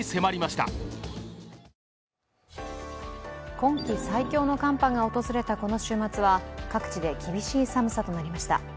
今季最強の寒波が訪れがこの週末は各地で厳しい寒さとなりました。